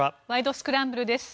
スクランブル」です。